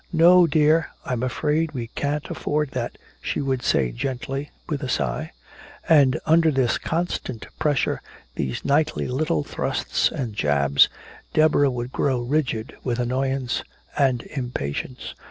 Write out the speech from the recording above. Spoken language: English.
"No, dear, I'm afraid we can't afford that," she would say gently, with a sigh. And under this constant pressure, these nightly little thrusts and jabs, Deborah would grow rigid with annoyance and impatience.